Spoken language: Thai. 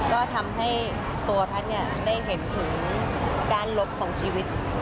ก็ทำให้ตัวพัดได้เห็นถึงการหลบของชีวิต